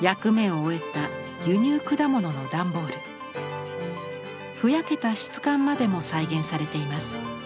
ふやけた質感までも再現されています。